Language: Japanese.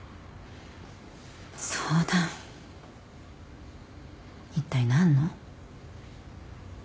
相談いったい何の？